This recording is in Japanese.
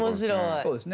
そうですね。